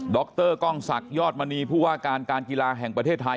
รกล้องศักดิยอดมณีผู้ว่าการการกีฬาแห่งประเทศไทย